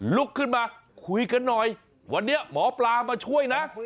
ลุกขึ้นมาคุยกันหน่อยวันนี้หมอปลามาช่วยนะ